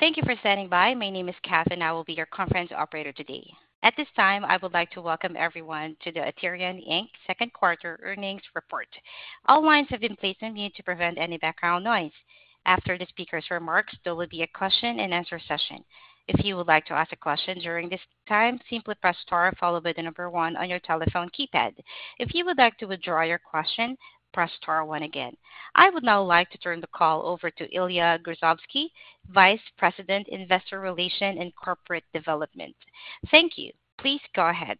Thank you for standing by. My name is Catherine, I will be your conference operator today. At this time, I would like to welcome everyone to the Aterian Inc. Q2 Earnings Report. All lines have been placed on mute to prevent any background noise. After the speaker's remarks, there will be a question and answer session. If you would like to ask a question during this time, simply press star followed by the number one on your telephone keypad. If you would like to withdraw your question, press star one again. I would now like to turn the call over to Ilya Grozovsky, Vice President, Investor Relations and Corporate Development. Thank you. Please go ahead.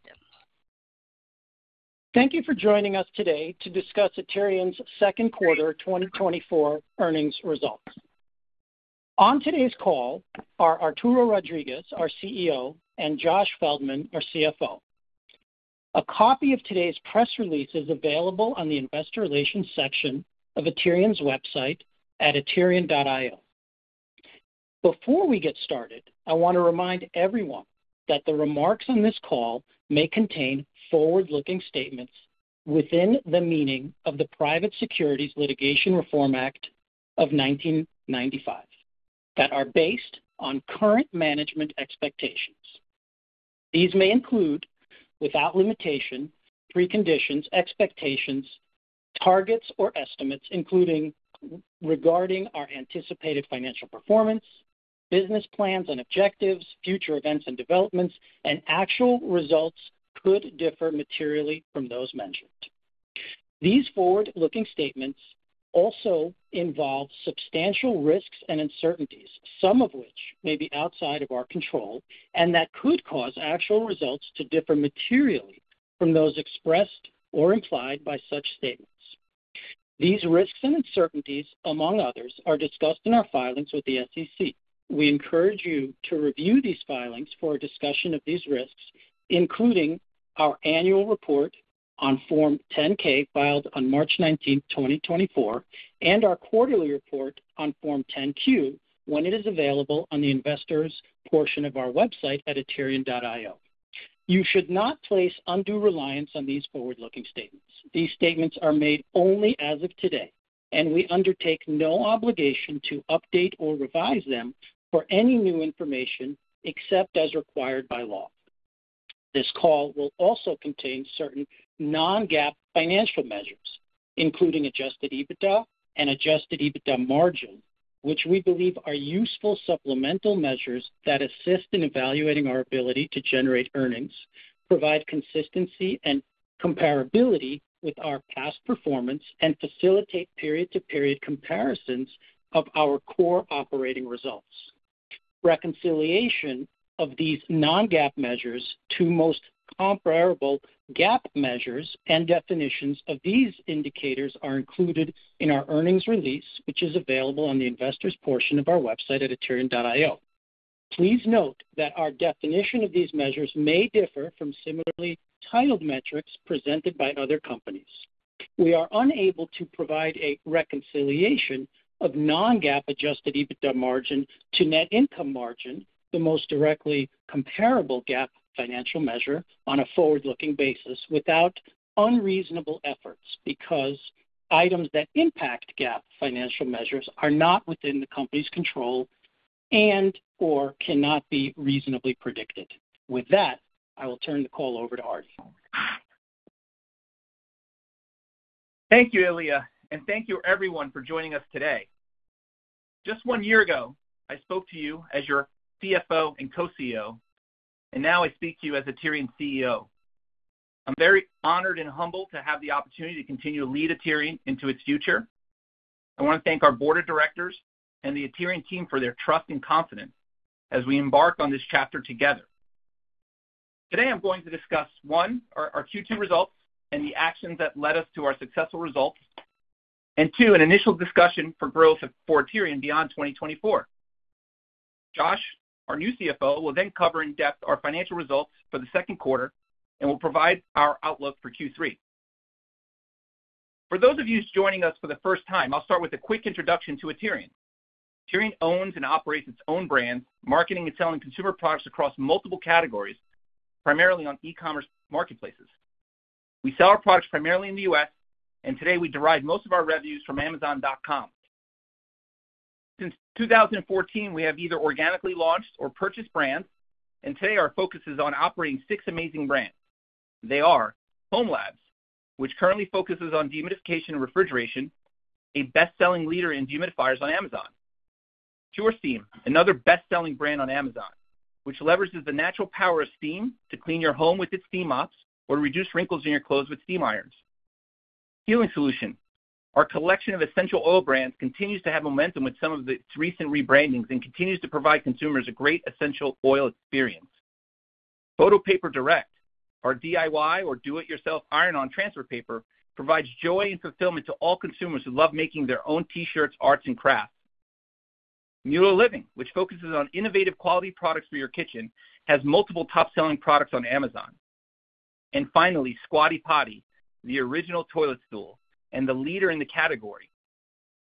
Thank you for joining us today to discuss Aterian's Q2 2024 earnings results. On today's call are Arturo Rodriguez, our CEO, and Josh Feldman, our CFO. A copy of today's press release is available on the investor relations section of Aterian's website at aterian.io. Before we get started, I want to remind everyone that the remarks on this call may contain forward-looking statements within the meaning of the Private Securities Litigation Reform Act of 1995, that are based on current management expectations. These may include, without limitation, preconditions, expectations, targets, or estimates, including regarding our anticipated financial performance, business plans and objectives, future events and developments, and actual results could differ materially from those mentioned. These forward-looking statements also involve substantial risks and uncertainties, some of which may be outside of our control, and that could cause actual results to differ materially from those expressed or implied by such statements. These risks and uncertainties, among others, are discussed in our filings with the SEC. We encourage you to review these filings for a discussion of these risks, including our annual report on Form 10-K, filed on March 19th, 2024, and our quarterly report on Form 10-Q, when it is available on the investors portion of our website at aterian.io. You should not place undue reliance on these forward-looking statements. These statements are made only as of today, and we undertake no obligation to update or revise them for any new information, except as required by law. This call will also contain certain non-GAAP financial measures, including Adjusted EBITDA and Adjusted EBITDA margin, which we believe are useful supplemental measures that assist in evaluating our ability to generate earnings, provide consistency and comparability with our past performance, and facilitate period-to-period comparisons of our core operating results. Reconciliation of these non-GAAP measures to most comparable GAAP measures and definitions of these indicators are included in our earnings release, which is available on the investors portion of our website at aterian.io. Please note that our definition of these measures may differ from similarly titled metrics presented by other companies. We are unable to provide a reconciliation of non-GAAP Adjusted EBITDA margin to net income margin, the most directly comparable GAAP financial measure, on a forward-looking basis, without unreasonable efforts, because items that impact GAAP financial measures are not within the company's control and/or cannot be reasonably predicted. With that, I will turn the call over to Art. Thank you, Ilya, and thank you, everyone, for joining us today. Just one year ago, I spoke to you as your CFO and co-CEO, and now I speak to you as Aterian's CEO. I'm very honored and humbled to have the opportunity to continue to lead Aterian into its future. I want to thank our board of directors and the Aterian team for their trust and confidence as we embark on this chapter together. Today, I'm going to discuss, one, our Q2 results and the actions that led us to our successful results, and two, an initial discussion for growth for Aterian beyond 2024. Josh, our new CFO, will then cover in depth our financial results for the Q2 and will provide our outlook for Q3. For those of you joining us for the first time, I'll start with a quick introduction to Aterian. Aterian owns and operates its own brands, marketing and selling consumer products across multiple categories, primarily on e-commerce marketplaces. We sell our products primarily in the U.S., and today we derive most of our revenues from Amazon.com. Since 2014, we have either organically launched or purchased brands, and today our focus is on operating six amazing brands. They are hOmeLabs, which currently focuses on dehumidification and refrigeration, a best-selling leader in dehumidifiers on Amazon. PurSteam, another best-selling brand on Amazon, which leverages the natural power of steam to clean your home with its steam mops or reduce wrinkles in your clothes with steam irons. Healing Solutions. Our collection of essential oil brands continues to have momentum with some of its recent rebrandings and continues to provide consumers a great essential oil experience. Photo Paper Direct, our DIY or do it yourself iron-on transfer paper, provides joy and fulfillment to all consumers who love making their own T-shirts, arts, and crafts. Mueller Living, which focuses on innovative, quality products for your kitchen, has multiple top-selling products on Amazon. And finally, Squatty Potty, the original toilet stool and the leader in the category.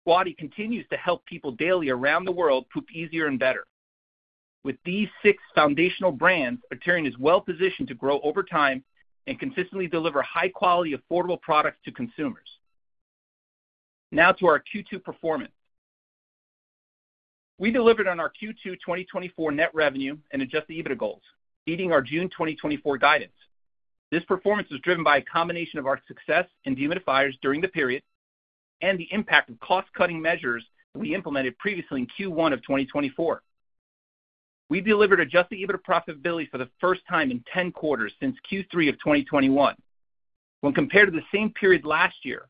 Squatty continues to help people daily around the world poop easier and better. With these six foundational brands, Aterian is well positioned to grow over time and consistently deliver high-quality, affordable products to consumers. Now to our Q2 performance. We delivered on our Q2 2024 net revenue and Adjusted EBITDA goals, beating our June 2024 guidance. This performance was driven by a combination of our success in dehumidifiers during the period and the impact of cost-cutting measures we implemented previously in Q1 of 2024. We delivered adjusted EBITDA profitability for the first time in 10 quarters since Q3 of 2021. When compared to the same period last year,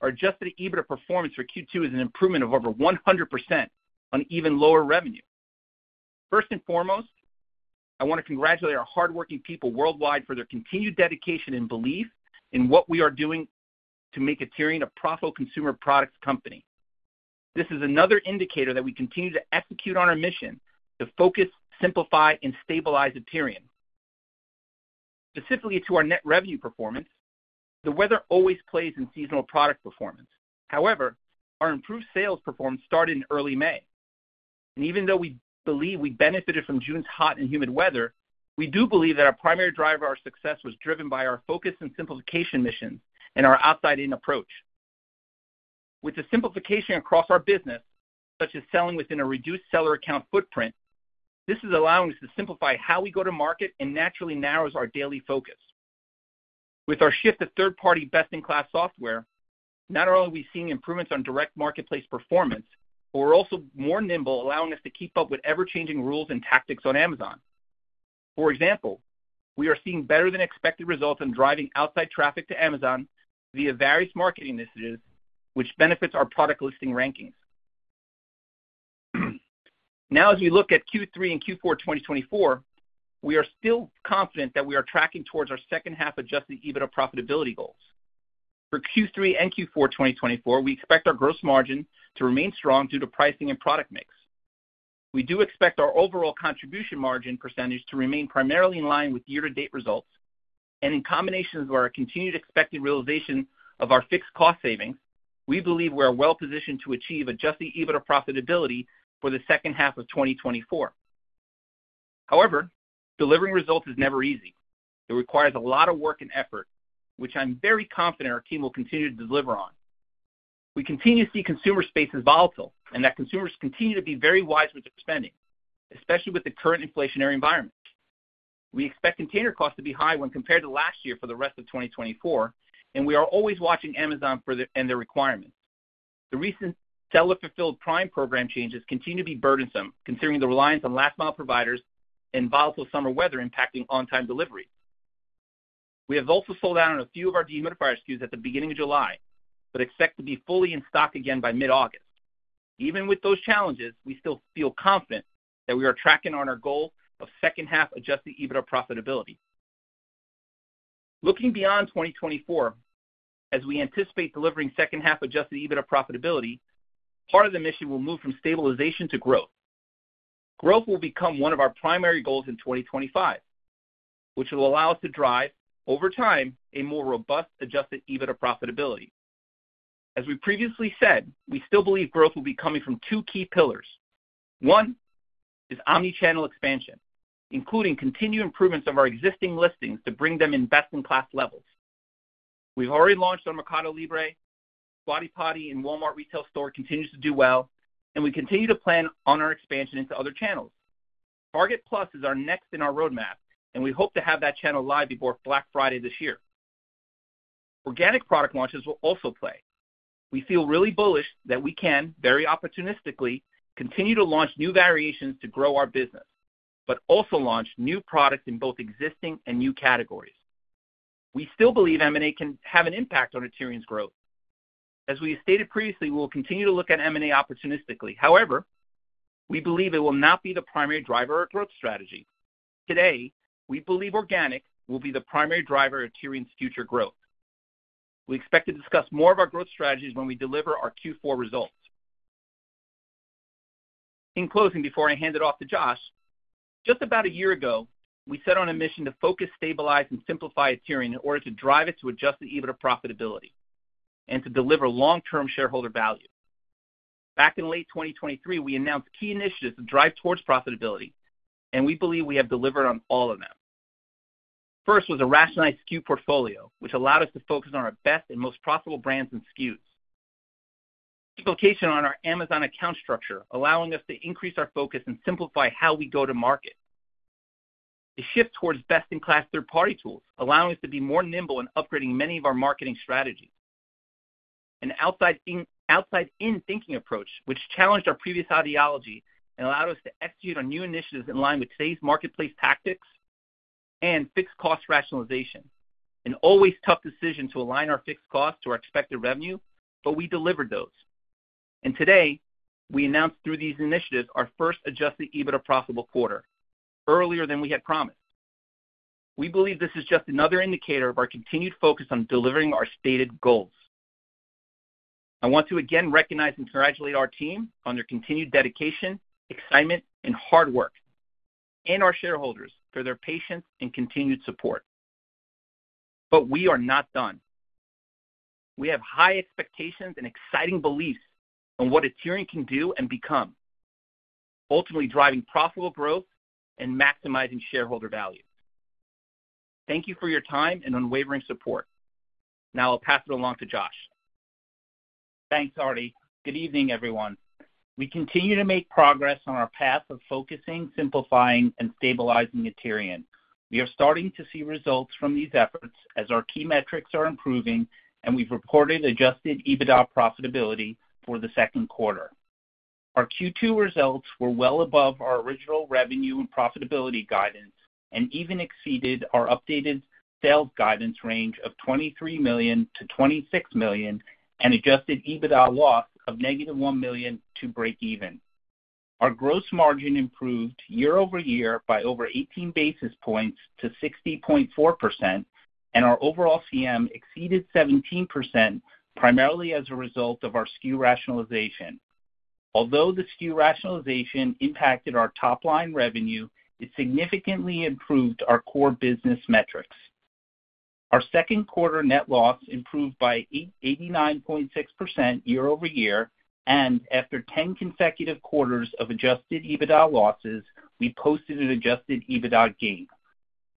our adjusted EBITDA performance for Q2 is an improvement of over 100% on even lower revenue. First and foremost, I want to congratulate our hardworking people worldwide for their continued dedication and belief in what we are doing to make Aterian a profitable consumer products company. This is another indicator that we continue to execute on our mission to focus, simplify, and stabilize Aterian. Specifically to our net revenue performance, the weather always plays in seasonal product performance. However, our improved sales performance started in early May, and even though we believe we benefited from June's hot and humid weather, we do believe that our primary driver of our success was driven by our focus and simplification mission and our outside-in approach. With the simplification across our business, such as selling within a reduced seller account footprint, this is allowing us to simplify how we go to market and naturally narrows our daily focus. With our shift to third-party best-in-class software, not only are we seeing improvements on direct marketplace performance, but we're also more nimble, allowing us to keep up with ever-changing rules and tactics on Amazon. For example, we are seeing better than expected results in driving outside traffic to Amazon via various marketing initiatives, which benefits our product listing rankings. Now, as we look at Q3 and Q4 2024, we are still confident that we are tracking towards our second half Adjusted EBITDA profitability goals. For Q3 and Q4 2024, we expect our gross margin to remain strong due to pricing and product mix. We do expect our overall contribution margin percentage to remain primarily in line with year-to-date results and in combination with our continued expected realization of our fixed cost savings, we believe we are well positioned to achieve Adjusted EBITDA profitability for the second half of 2024. However, delivering results is never easy. It requires a lot of work and effort, which I'm very confident our team will continue to deliver on. We continue to see consumer space as volatile and that consumers continue to be very wise with their spending, especially with the current inflationary environment. We expect container costs to be high when compared to last year for the rest of 2024, and we are always watching Amazon for their requirements. The recent Seller Fulfilled Prime program changes continue to be burdensome, considering the reliance on last mile providers and volatile summer weather impacting on-time delivery. We have also sold out on a few of our dehumidifier SKUs at the beginning of July, but expect to be fully in stock again by mid-August. Even with those challenges, we still feel confident that we are tracking on our goal of second half Adjusted EBITDA profitability. Looking beyond 2024, as we anticipate delivering second half Adjusted EBITDA profitability, part of the mission will move from stabilization to growth. Growth will become one of our primary goals in 2025, which will allow us to drive, over time, a more robust Adjusted EBITDA profitability. As we previously said, we still believe growth will be coming from two key pillars. One is omni-channel expansion, including continued improvements of our existing listings to bring them in best-in-class levels. We've already launched on MercadoLibre, Squatty Potty, and Walmart retail stores continues to do well, and we continue to plan on our expansion into other channels. Target Plus is our next in our roadmap, and we hope to have that channel live before Black Friday this year. Organic product launches will also play. We feel really bullish that we can, very opportunistically, continue to launch new variations to grow our business, but also launch new products in both existing and new categories. We still believe M&A can have an impact on Aterian's growth. As we stated previously, we will continue to look at M&A opportunistically. However, we believe it will not be the primary driver of growth strategy. Today, we believe organic will be the primary driver of Aterian's future growth. We expect to discuss more of our growth strategies when we deliver our Q4 results. In closing, before I hand it off to Josh, just about a year ago, we set on a mission to focus, stabilize, and simplify Aterian in order to drive it to Adjusted EBITDA profitability and to deliver long-term shareholder value. Back in late 2023, we announced key initiatives to drive towards profitability, and we believe we have delivered on all of them. First was a rationalized SKU portfolio, which allowed us to focus on our best and most profitable brands and SKUs. Optimization of our Amazon account structure, allowing us to increase our focus and simplify how we go to market. The shift towards best-in-class third-party tools, allowing us to be more nimble in upgrading many of our marketing strategies. An outside-in, outside-in thinking approach, which challenged our previous ideology and allowed us to execute on new initiatives in line with today's marketplace tactics and fixed cost rationalization. An always tough decision to align our fixed costs to our expected revenue, but we delivered those. Today, we announced through these initiatives our first Adjusted EBITDA profitable quarter, earlier than we had promised. We believe this is just another indicator of our continued focus on delivering our stated goals. I want to again recognize and congratulate our team on their continued dedication, excitement, and hard work, and our shareholders for their patience and continued support. We are not done. We have high expectations and exciting beliefs on what Aterian can do and become, ultimately driving profitable growth and maximizing shareholder value... Thank you for your time and unwavering support. Now I'll pass it along to Josh. Thanks, Artie. Good evening, everyone. We continue to make progress on our path of focusing, simplifying, and stabilizing Aterian. We are starting to see results from these efforts as our key metrics are improving, and we've reported adjusted EBITDA profitability for the Q2. Our Q2 results were well above our original revenue and profitability guidance and even exceeded our updated sales guidance range of $23 million-$26 million and adjusted EBITDA loss of -$1 million to break even. Our gross margin improved year-over-year by over 18 basis points to 60.4%, and our overall CM exceeded 17%, primarily as a result of our SKU rationalization. Although the SKU rationalization impacted our top-line revenue, it significantly improved our core business metrics. Our Q2 net loss improved by 89.6% year-over-year, and after 10 consecutive quarters of Adjusted EBITDA losses, we posted an Adjusted EBITDA gain.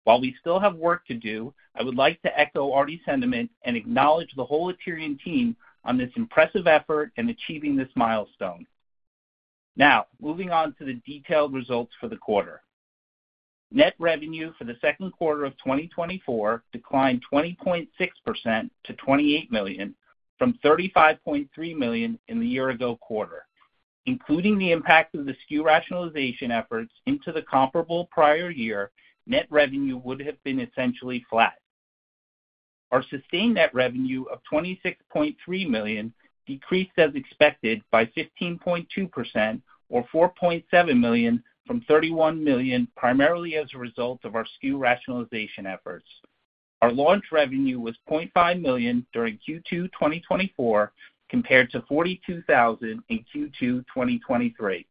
While we still have work to do, I would like to echo Artie's sentiment and acknowledge the whole Aterian team on this impressive effort in achieving this milestone. Now, moving on to the detailed results for the quarter. Net revenue for the Q2 of 2024 declined 20.6% to $28 million, from $35.3 million in the year ago quarter. Including the impact of the SKU rationalization efforts into the comparable prior year, net revenue would have been essentially flat. Our sustained net revenue of $26.3 million decreased as expected by 15.2% or $4.7 million from $31 million, primarily as a result of our SKU rationalization efforts. Our launch revenue was $0.5 million during Q2 2024, compared to $42,000 in Q2 2023.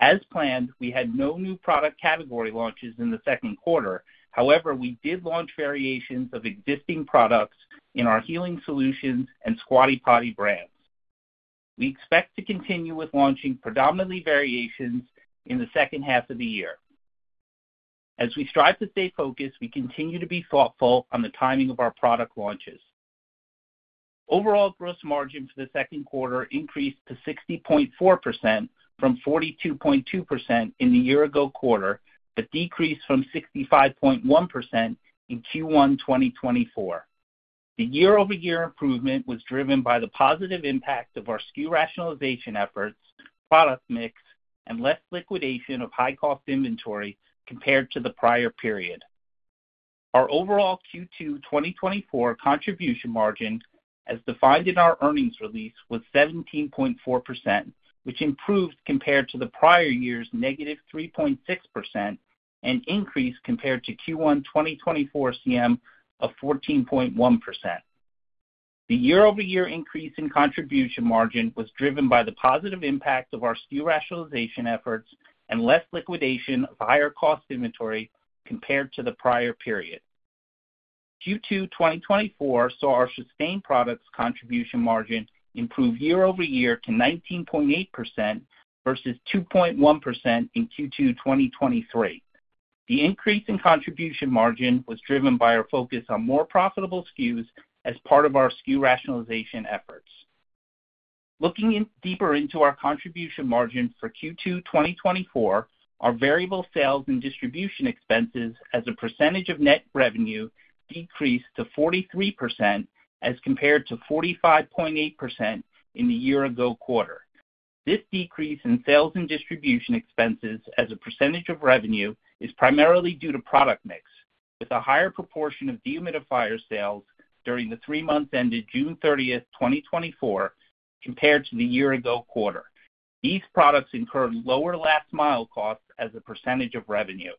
As planned, we had no new product category launches in the Q2. However, we did launch variations of existing products in our Healing Solutions and Squatty Potty brands. We expect to continue with launching predominantly variations in the second half of the year. As we strive to stay focused, we continue to be thoughtful on the timing of our product launches. Overall gross margin for the Q2 increased to 60.4% from 42.2% in the year ago quarter, but decreased from 65.1% in Q1 2024. The year-over-year improvement was driven by the positive impact of our SKU rationalization efforts, product mix, and less liquidation of high-cost inventory compared to the prior period. Our overall Q2 2024 contribution margin, as defined in our earnings release, was 17.4%, which improved compared to the prior year's -3.6% and increased compared to Q1 2024 CM of 14.1%. The year-over-year increase in contribution margin was driven by the positive impact of our SKU rationalization efforts and less liquidation of higher-cost inventory compared to the prior period. Q2 2024 saw our sustained products contribution margin improve year-over-year to 19.8% versus 2.1% in Q2 2023. The increase in contribution margin was driven by our focus on more profitable SKUs as part of our SKU rationalization efforts. Looking deeper into our contribution margin for Q2 2024, our variable sales and distribution expenses as a percentage of net revenue decreased to 43%, as compared to 45.8% in the year ago quarter. This decrease in sales and distribution expenses as a percentage of revenue is primarily due to product mix, with a higher proportion of dehumidifier sales during the three months ended June 30, 2024, compared to the year ago quarter. These products incurred lower last mile costs as a percentage of revenue.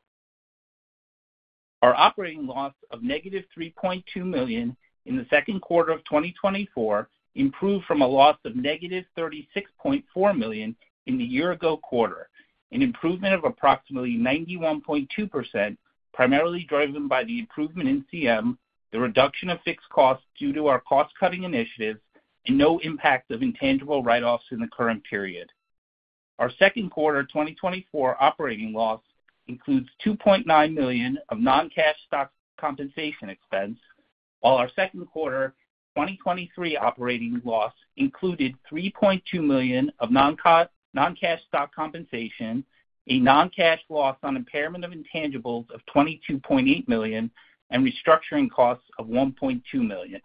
Our operating loss of -$3.2 million in the Q2 of 2024 improved from a loss of -$36.4 million in the year-ago quarter, an improvement of approximately 91.2%, primarily driven by the improvement in CM, the reduction of fixed costs due to our cost-cutting initiatives, and no impact of intangible write-offs in the current period. Our Q2 2024 operating loss includes $2.9 million of non-cash stock compensation expense, while our Q2 2023 operating loss included $3.2 million of non-cash stock compensation, a non-cash loss on impairment of intangibles of $22.8 million, and restructuring costs of $1.2 million.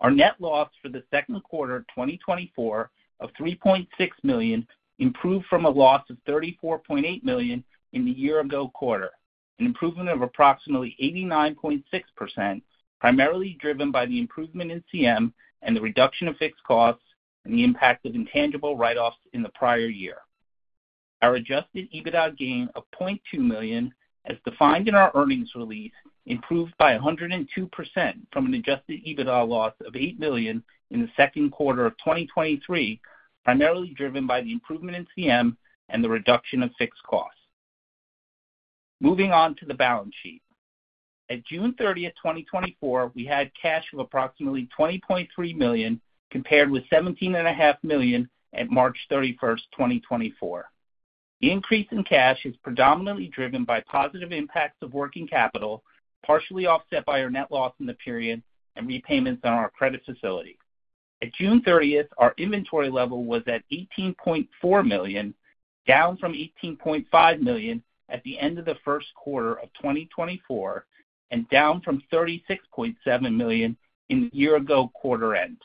Our net loss for the Q2 of 2024 of $3.6 million improved from a loss of $34.8 million in the year-ago quarter, an improvement of approximately 89.6%, primarily driven by the improvement in CM and the reduction of fixed costs and the impact of intangible write-offs in the prior year. Our Adjusted EBITDA gain of $0.2 million, as defined in our earnings release, improved by 102% from an Adjusted EBITDA loss of $8 million in the Q2 of 2023, primarily driven by the improvement in CM and the reduction of fixed costs. Moving on to the balance sheet. At June 30, 2024, we had cash of approximately $20.3 million, compared with $17.5 million at March 31, 2024. The increase in cash is predominantly driven by positive impacts of working capital, partially offset by our net loss in the period and repayments on our credit facility. At June 30, our inventory level was at $18.4 million, down from $18.5 million at the end of the Q1 of 2024, and down from $36.7 million in year-ago quarter end.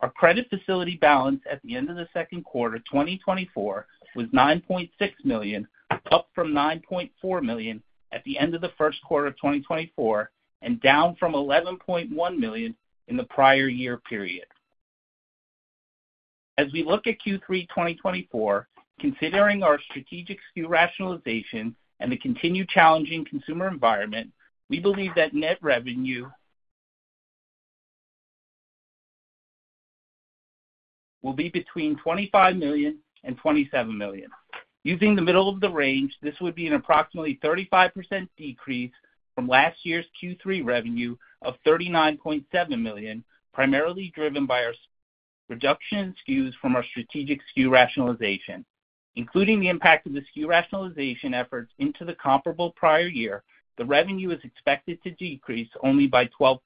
Our credit facility balance at the end of the Q2, 2024, was $9.6 million, up from $9.4 million at the end of the Q1 of 2024, and down from $11.1 million in the prior-year period. As we look at Q3 2024, considering our strategic SKU rationalization and the continued challenging consumer environment, we believe that net revenue will be between $25 million and $27 million. Using the middle of the range, this would be an approximately 35% decrease from last year's Q3 revenue of $39.7 million, primarily driven by our reduction in SKUs from our strategic SKU rationalization. Including the impact of the SKU rationalization efforts into the comparable prior year, the revenue is expected to decrease only by 12%.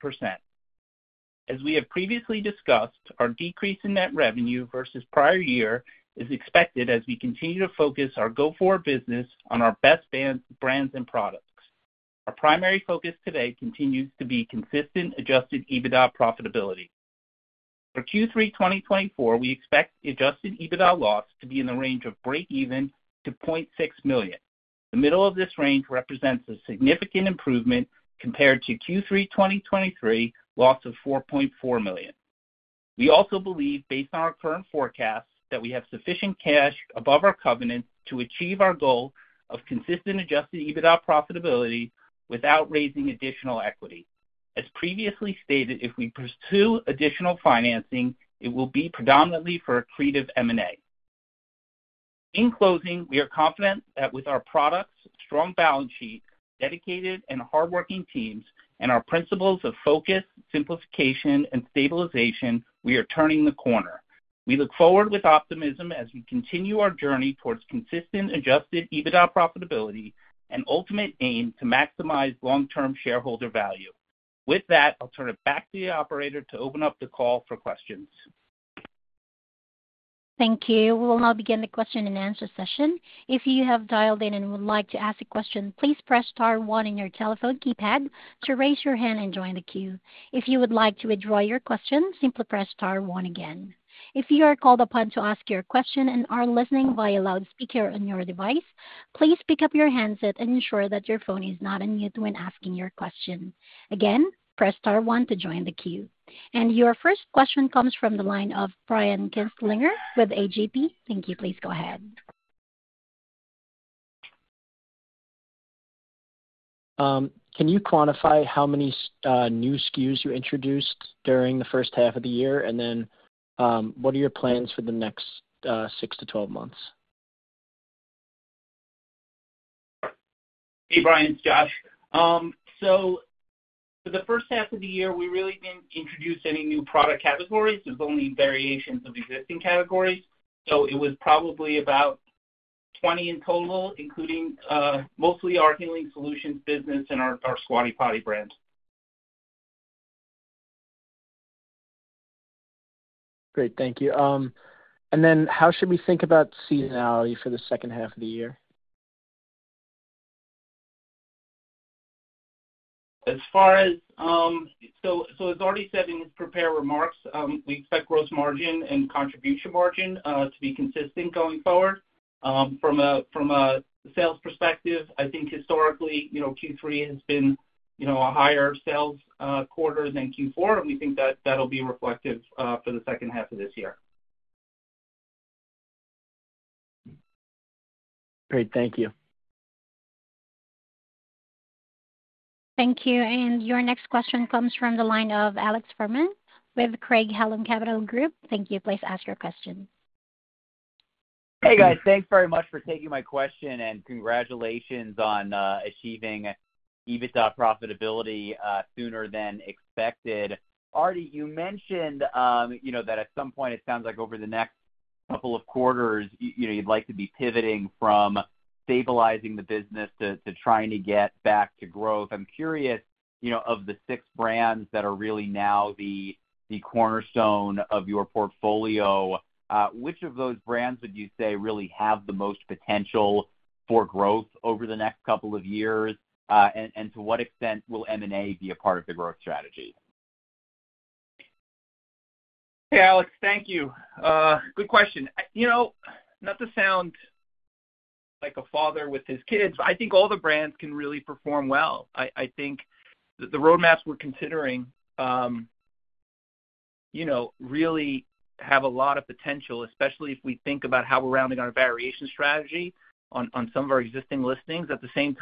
As we have previously discussed, our decrease in net revenue versus prior year is expected as we continue to focus our go-forward business on our best brands and products. Our primary focus today continues to be consistent Adjusted EBITDA profitability. For Q3 2024, we expect Adjusted EBITDA loss to be in the range of breakeven to $0.6 million. The middle of this range represents a significant improvement compared to Q3 2023 loss of $4.4 million. We also believe, based on our current forecasts, that we have sufficient cash above our covenant to achieve our goal of consistent Adjusted EBITDA profitability without raising additional equity. As previously stated, if we pursue additional financing, it will be predominantly for accretive M&A. In closing, we are confident that with our products, strong balance sheet, dedicated and hardworking teams, and our principles of focus, simplification, and stabilization, we are turning the corner. We look forward with optimism as we continue our journey towards consistent Adjusted EBITDA profitability and ultimate aim to maximize long-term shareholder value. With that, I'll turn it back to the operator to open up the call for questions. Thank you. We will now begin the question-and-answer session. If you have dialed in and would like to ask a question, please press star one on your telephone keypad to raise your hand and join the queue. If you would like to withdraw your question, simply press star one again. If you are called upon to ask your question and are listening via loudspeaker on your device, please pick up your handset and ensure that your phone is not on mute when asking your question. Again, press star one to join the queue. And your first question comes from the line of Brian Kinstlinger with A.G.P. Thank you. Please go ahead. Can you quantify how many new SKUs you introduced during the first half of the year? And then, what are your plans for the next 6-12 months? Hey, Brian, it's Josh. So for the first half of the year, we really didn't introduce any new product categories. It was only variations of existing categories, so it was probably about 20 in total, including mostly our Healing Solutions business and our Squatty Potty brand. Great. Thank you. And then how should we think about seasonality for the second half of the year? As far as so as already said in his prepared remarks, we expect gross margin and contribution margin to be consistent going forward. From a sales perspective, I think historically, you know, Q3 has been, you know, a higher sales quarter than Q4, and we think that that'll be reflective for the second half of this year. Great. Thank you. Thank you. And your next question comes from the line of Alex Fuhrman with Craig-Hallum Capital Group. Thank you. Please ask your question. Hey, guys. Thanks very much for taking my question, and congratulations on achieving EBITDA profitability sooner than expected. Artie, you mentioned you know, that at some point, it sounds like over the next couple of quarters, you know, you'd like to be pivoting from stabilizing the business to trying to get back to growth. I'm curious, you know, of the six brands that are really now the cornerstone of your portfolio, which of those brands would you say really have the most potential for growth over the next couple of years? And to what extent will M&A be a part of the growth strategy? Hey, Alex. Thank you. Good question. You know, not to sound like a father with his kids, but I think all the brands can really perform well. I think the roadmaps we're considering, you know, really have a lot of potential, especially if we think about how we're rounding our variation strategy on some of our existing listings. At the same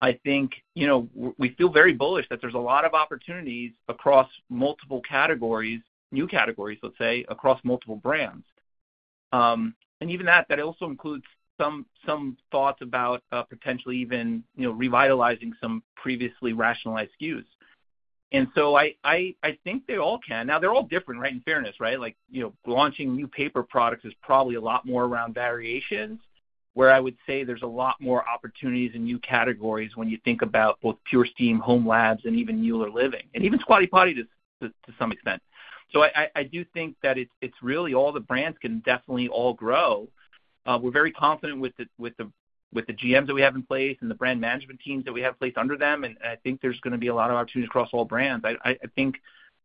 time, I think, you know, we feel very bullish that there's a lot of opportunities across multiple categories, new categories, let's say, across multiple brands. And even that also includes some thoughts about potentially even, you know, revitalizing some previously rationalized SKUs. So I think they all can. Now, they're all different, right, in fairness, right? Like, you know, launching new paper products is probably a lot more around variations. ... where I would say there's a lot more opportunities in new categories when you think about both PurSteam, hOmeLabs, and even Mueller Living, and even Squatty Potty to some extent. So I do think that it's really all the brands can definitely all grow. We're very confident with the GMs that we have in place and the brand management teams that we have in place under them, and I think there's gonna be a lot of opportunities across all brands. I think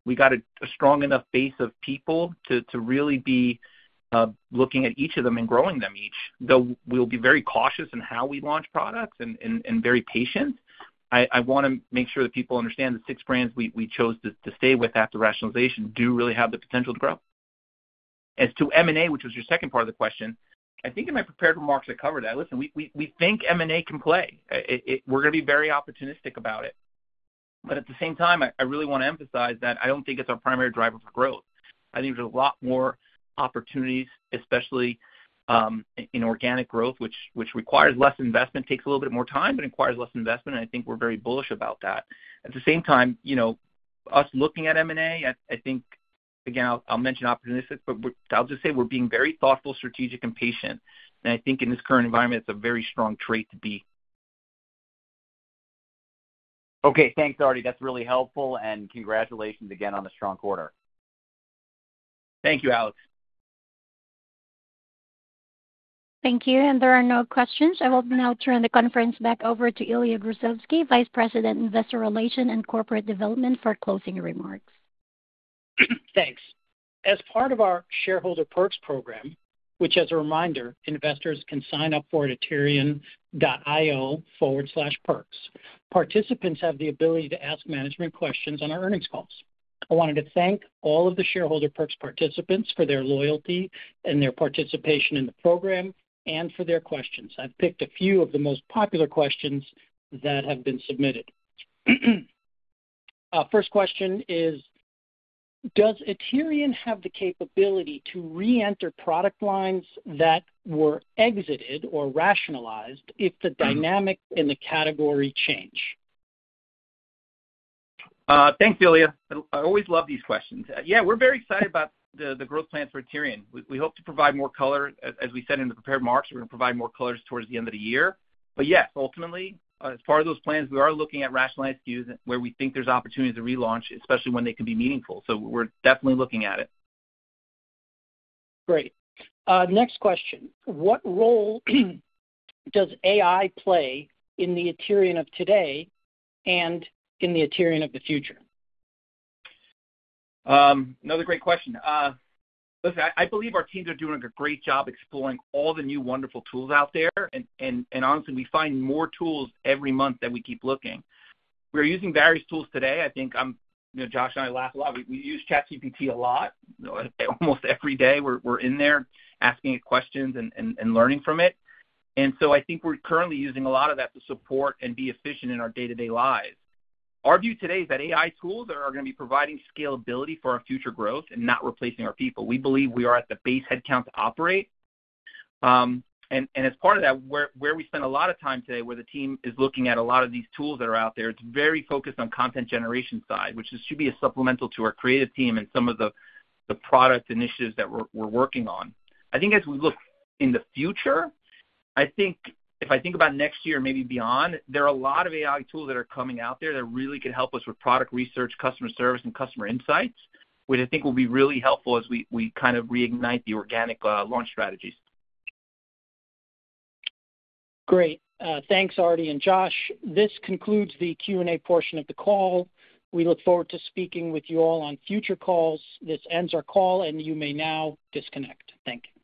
we got a strong enough base of people to really be looking at each of them and growing them each, though we'll be very cautious in how we launch products and very patient. I wanna make sure that people understand the six brands we chose to stay with after rationalization do really have the potential to grow. As to M&A, which was your second part of the question, I think in my prepared remarks, I covered that. Listen, we think M&A can play. We're gonna be very opportunistic about it, but at the same time, I really wanna emphasize that I don't think it's our primary driver for growth. I think there's a lot more opportunities, especially in organic growth, which requires less investment, takes a little bit more time, but requires less investment, and I think we're very bullish about that. At the same time, you know, us looking at M&A, I think, again, I'll mention opportunistic, but we're, I'll just say we're being very thoughtful, strategic, and patient. I think in this current environment, it's a very strong trait to be. Okay. Thanks, Artie. That's really helpful, and congratulations again on the strong quarter. Thank you, Alex. Thank you, and there are no questions. I will now turn the conference back over to Ilya Grozovsky, Vice President, Investor Relations and Corporate Development, for closing remarks. Thanks. As part of our shareholder perks program, which, as a reminder, investors can sign up for at aterian.io/perks, participants have the ability to ask management questions on our earnings calls. I wanted to thank all of the shareholder perks participants for their loyalty and their participation in the program and for their questions. I've picked a few of the most popular questions that have been submitted. First question is: Does Aterian have the capability to reenter product lines that were exited or rationalized if the dynamics in the category change? Thanks, Ilya. I always love these questions. Yeah, we're very excited about the growth plans for Aterian. We hope to provide more color, as we said in the prepared remarks, we're gonna provide more colors towards the end of the year. But yes, ultimately, as part of those plans, we are looking at rationalized SKUs where we think there's opportunity to relaunch, especially when they can be meaningful. So we're definitely looking at it. Great. Next question: What role does AI play in the Aterian of today and in the Aterian of the future? Another great question. Listen, I believe our teams are doing a great job exploring all the new wonderful tools out there, and honestly, we find more tools every month that we keep looking. We're using various tools today. I think, you know, Josh and I laugh a lot. We use ChatGPT a lot, almost every day, we're in there asking it questions and learning from it. So I think we're currently using a lot of that to support and be efficient in our day-to-day lives. Our view today is that AI tools are gonna be providing scalability for our future growth and not replacing our people. We believe we are at the base headcount to operate. And as part of that, where we spend a lot of time today, the team is looking at a lot of these tools that are out there, it's very focused on content generation side, which should be a supplemental to our creative team and some of the product initiatives that we're working on. I think as we look in the future, I think if I think about next year, maybe beyond, there are a lot of AI tools that are coming out there that really could help us with product research, customer service, and customer insights, which I think will be really helpful as we kind of reignite the organic launch strategies. Great. Thanks, Artie and Josh. This concludes the Q&A portion of the call. We look forward to speaking with you all on future calls. This ends our call, and you may now disconnect. Thank you.